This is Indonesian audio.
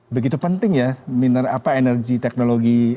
begitu penting ya energi teknologi